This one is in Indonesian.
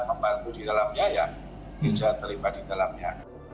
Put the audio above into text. membantu di dalamnya gereja terlibat di dalamnya